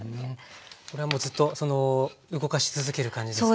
これはずっと動かし続ける感じですか？